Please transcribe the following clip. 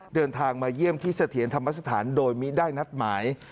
เดินทางมาเยี่ยมที่เสถียรธรรมสถานโดยมิได้นัดหมาย